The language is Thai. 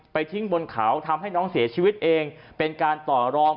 ทิ้งบนเขาทำให้น้องเสียชีวิตเองเป็นการต่อรอง